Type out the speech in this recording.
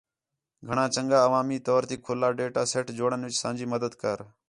گھݨاں چَنڳا، عوامی طور تی کُھلّا ڈیٹا سیٹ جوڑݨ وِچ اَساں جی مدد کر